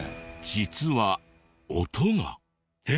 実は音が。